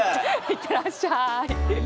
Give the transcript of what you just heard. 行ってらっしゃい！